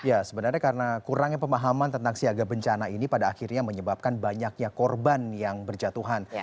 ya sebenarnya karena kurangnya pemahaman tentang siaga bencana ini pada akhirnya menyebabkan banyaknya korban yang berjatuhan